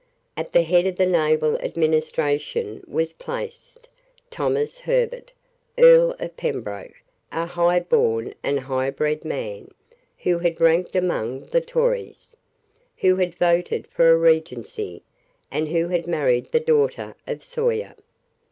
At the head of the naval administration was placed Thomas Herbert, Earl of Pembroke, a high born and high bred man, who had ranked among the Tories, who had voted for a Regency, and who had married the daughter of Sawyer.